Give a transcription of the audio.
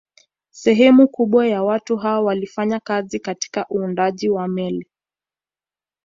Sehemu kubwa ya watu hao walifanya kazi katika uundaji wa meli